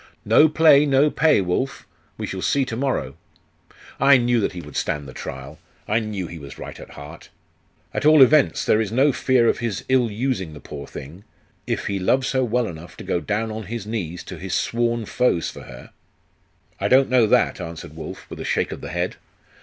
'No play, no pay, Wulf. We shall see to morrow.' 'I knew that he would stand the trial! I knew he was right at heart!' 'At all events, there is no fear of his ill using the poor thing, if he loves her well enough to go down on his knees to his sworn foes for her.' 'I don't know that,' answered Wulf, with a shake of the head.